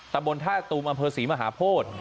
ตำบลท่าตูมอำเภอศรีมหาโพธิ